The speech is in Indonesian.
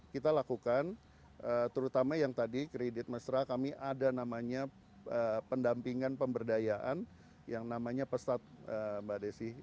kita lakukan terutama yang tadi kredit mesra kami ada namanya pendampingan pemberdayaan yang namanya pestat mbak desi